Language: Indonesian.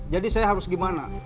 jadi saya harus gimana